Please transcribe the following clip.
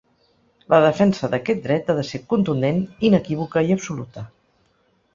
La defensa d’aquest dret ha de ser contundent, inequívoca i absoluta.